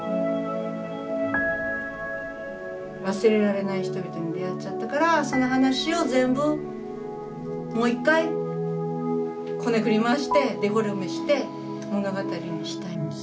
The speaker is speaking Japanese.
忘れられない人々に出会っちゃったからその話を全部もう一回こねくり回してデフォルメして物語にしたいんです。